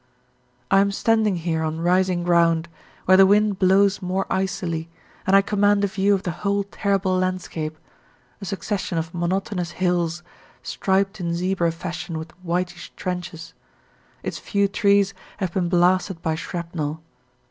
I am standing here on rising ground, where the wind blows more icily, and I command a view of the whole terrible landscape, a succession of monotonous hills, striped in zebra fashion with whitish trenches; its few trees have been blasted by shrapnel.